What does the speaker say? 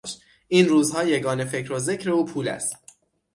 این روزها یگانه فکر و ذکر او پول است.